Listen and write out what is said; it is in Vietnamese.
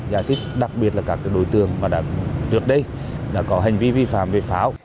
giải thích đặc biệt là các đối tượng mà đã tuyệt đây đã có hành vi vi phạm về pháo